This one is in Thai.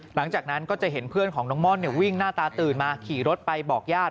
หลังจากนั้นก็จะเห็นเพื่อนของน้องม่อนวิ่งหน้าตาตื่นมาขี่รถไปบอกญาติ